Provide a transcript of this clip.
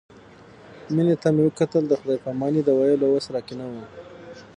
مينې ته مې وکتل د خداى پاماني د ويلو وس راکښې نه و.